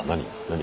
何？